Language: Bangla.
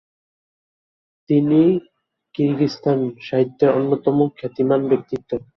তিনি কিরগিজস্তান সাহিত্যের অন্যতম খ্যাতিমান ব্যক্তিত্ব।